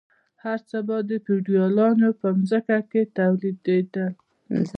هر څه به د فیوډالانو په ځمکو کې تولیدیدل.